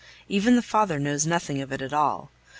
Even the father knows nothing of it all.